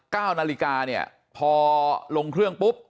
เก้านาฬิกาเนี่ยพอลงเครื่องปุ๊บ